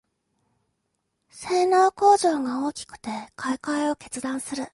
性能向上が大きくて買いかえを決断する